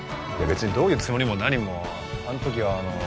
別にどういうつもりも何もあんときはあのう。